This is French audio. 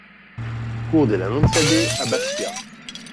Qur de l'Annonciade à Bastia